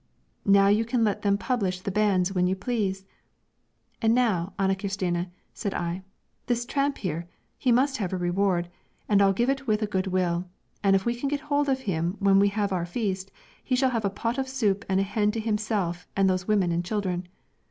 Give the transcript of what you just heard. Now you can let them publish the banns when you please.' 'And now, Ane Kirstine,' said I, 'this tramp here, he must have a reward, and I'll give it with a good will; and if we can get hold of him when we have our feast, he shall have a pot of soup and a hen to himself and those women and children.'